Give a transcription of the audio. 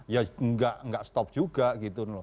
ya enggak enggak stop juga gitu